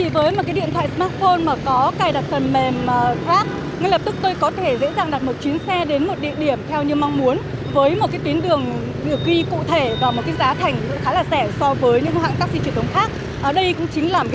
và nhiều người hiện nay đang sử dụng